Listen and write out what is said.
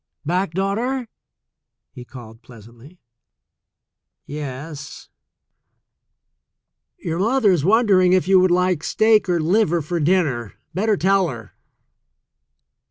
"Back, daughter?" he called pleasantly. "Yes." "Your mother is wondering if you would like steak or liver for dinner. Better tell her."